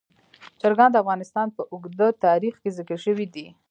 چرګان د افغانستان په اوږده تاریخ کې ذکر شوی دی.